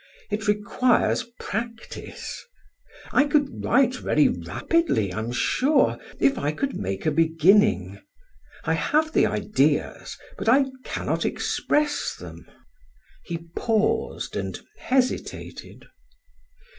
It requires practice. I could write very rapidly, I am sure, if I could make a beginning. I have the ideas but I cannot express them." He paused and hesitated.